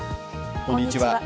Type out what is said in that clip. こんにちは。